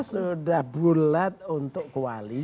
sudah bulat untuk kuat